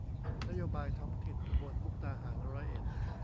นโยบายท้องถิ่น อุบลมุกดาหารร้อยเอ็ด